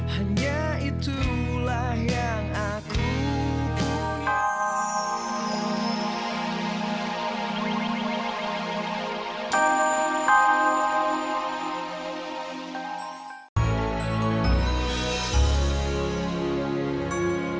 hanya itulah yang aku